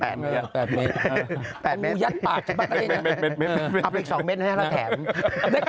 อัพอีกสองเม็ดแล้วแถม